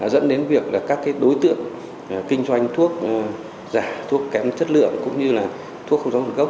dẫn đến việc các đối tượng kinh doanh thuốc giả thuốc kém chất lượng cũng như là thuốc không giống gốc